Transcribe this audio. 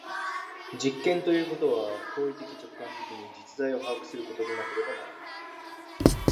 実験ということは行為的直観的に実在を把握することでなければならない。